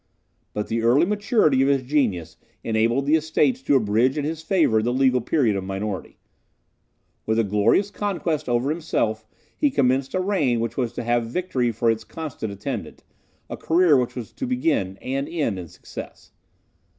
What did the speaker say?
But the early maturity of his genius enabled the Estates to abridge in his favour the legal period of minority. With a glorious conquest over himself he commenced a reign which was to have victory for its constant attendant, a career which was to begin and end in success.